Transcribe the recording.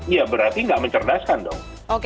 ya berarti nggak mencerdaskan dong